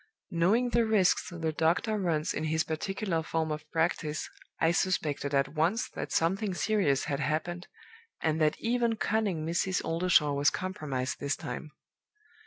"Knowing the risks the doctor runs in his particular form of practice, I suspected at once that something serious had happened, and that even cunning Mrs. Oldershaw was compromised this time.